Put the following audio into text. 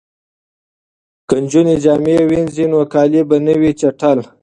که نجونې جامې وینځي نو کالي به نه وي چټل.